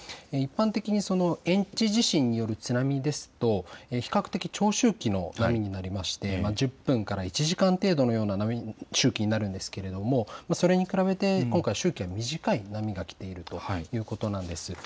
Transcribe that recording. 一般的に遠地地震による津波ですと比較的、長周期の波になりまして１０分から１時間程度の周期になりますけれども、それに比べて今回、周期が短い波が来ているということなんです。